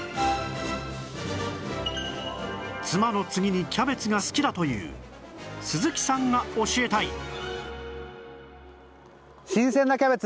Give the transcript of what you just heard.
妻の次にキャベツが好きだという鈴木さんが教えたい